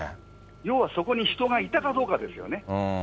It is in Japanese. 要は、そこに人がいたかどうかですよね。